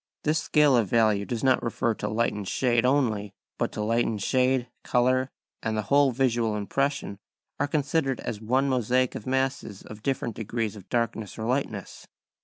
This scale of values does not refer to light and shade only, but light and shade, colour, and the whole visual impression are considered as one mosaic of masses of different degrees of darkness or lightness.